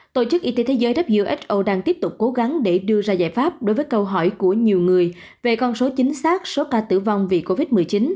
tổ chức y tế thế giới who đang tiếp tục cố gắng để đưa ra giải pháp đối với câu hỏi của nhiều người về con số chính xác số ca tử vong vì covid một mươi chín